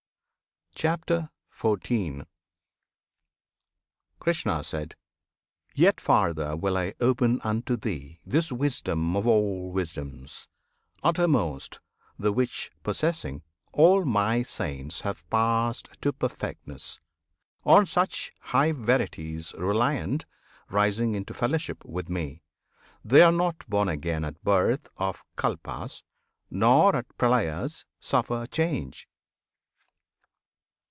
CHAPTER XIV Krishna. Yet farther will I open unto thee This wisdom of all wisdoms, uttermost, The which possessing, all My saints have passed To perfectness. On such high verities Reliant, rising into fellowship With Me, they are not born again at birth Of Kalpas, nor at Pralyas suffer change!